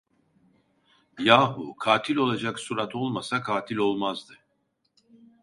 Yahu, katil olacak surat olmasa katil olmazdı.